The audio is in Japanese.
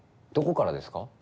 どこからですか？